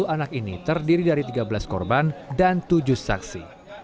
sepuluh anak ini terdiri dari tiga belas korban dan tujuh saksi